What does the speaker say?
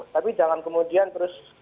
tapi jangan kemudian terus